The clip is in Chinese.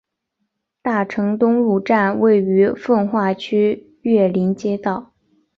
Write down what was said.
大成东路站位于奉化区岳林街道。